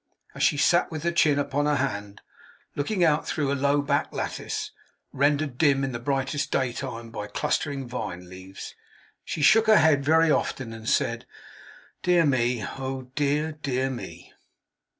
As she sat with her chin upon her hand, looking out through a low back lattice, rendered dim in the brightest day time by clustering vine leaves, she shook her head very often, and said, 'Dear me! Oh, dear, dear me!